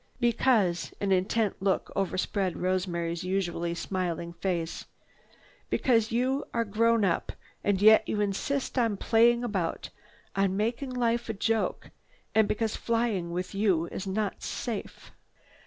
"Because—" an intent look overspread Rosemary's usually smiling face. "Because you are grown up, and yet you insist on playing about, on making life a joke and because flying with you is not safe."